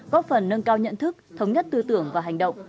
góp phần nâng cao nhận thức thống nhất tư tưởng và hành động